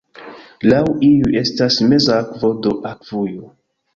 Laŭ iuj estas "meza akvo", do akvujo.